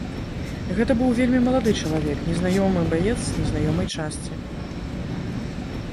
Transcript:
Гэта быў вельмі малады чалавек, незнаёмы баец з незнаёмай часці.